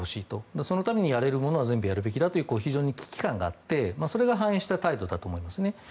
そのためにやれるものは全部やるべきだという非常に危機感があってそれが反映した態度だと思います。